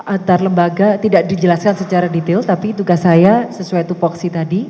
antar lembaga tidak dijelaskan secara detail tapi tugas saya sesuai tupoksi tadi